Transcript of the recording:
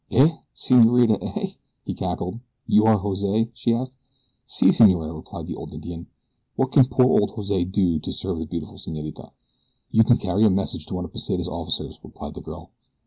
"Eh? Senorita, eh?" he cackled. "You are Jose?" she asked. "Si, senorita," replied the old Indian. "What can poor old Jose do to serve the beautiful senorita?" "You can carry a message to one of Pesita's officers," replied the girl.